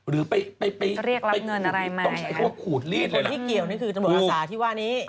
เรียกรับเงินอะไรมากันค่ะมีคนที่เกี่ยวนี่คือตำรวจอาสาที่ว่านี้หรือไปต้องใช้พวกขูดลีดเลยล่ะ